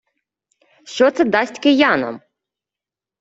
Що це дасть киянам?